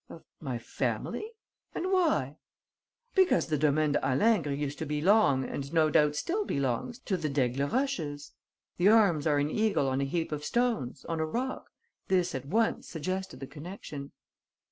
"Of my family? And why?" "Because the Domaine de Halingre used to belong and no doubt still belongs to the d'Aigleroches. The arms are an eagle on a heap of stones, on a rock. This at once suggested the connection."